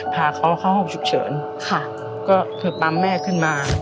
พาเขาเข้าห้องฉุกเฉินค่ะก็คือปั๊มแม่ขึ้นมา